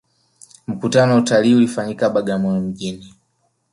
mkutano wa utalii uliyofanyikia bagamoyo mjini